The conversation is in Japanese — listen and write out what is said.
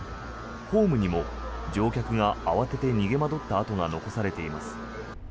ホームにも乗客が慌てて逃げ惑った跡が残されています。